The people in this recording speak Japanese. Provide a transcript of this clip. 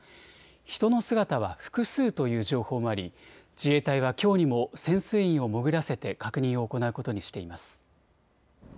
人の姿は複数という情報もあり自衛隊はきょうにも潜水員を潜らせて確認を行うことにしています。